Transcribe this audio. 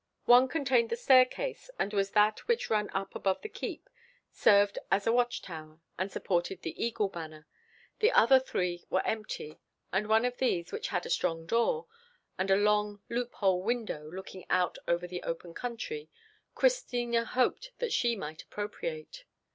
One contained the staircase, and was that which ran up above the keep, served as a watch tower, and supported the Eagle banner. The other three were empty, and one of these, which had a strong door, and a long loophole window looking out over the open country, Christina hoped that she might appropriate.